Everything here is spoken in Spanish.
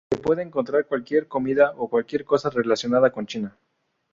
Se puede encontrar cualquier comida, o cualquier cosa relacionada con China.